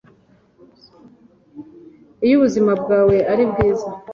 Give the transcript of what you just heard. Iyo ubuzima bwawe ari bwiza,